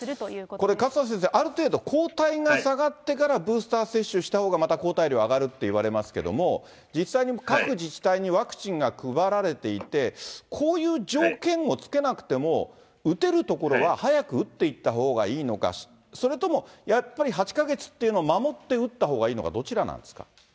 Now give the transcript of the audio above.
これ、勝田先生、ある程度抗体が下がってからブースター接種したほうが、また抗体量が上がるっていわれますけれども、実際に各自治体にワクチンが配られていて、こういう条件をつけなくても打てる所は早く打っていったほうがいいのか、それともやっぱり８か月っていうのを守って打ったほうがいいのか、どちらなんですか。